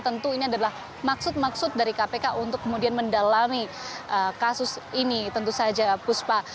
tentu ini adalah maksud maksud dari kpk untuk kemudian mendalami kasus ini tentu saja puspa